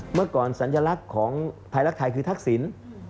เมื่อก่อนสัญลักษณ์ของไทยรักไทยคือทักษิณ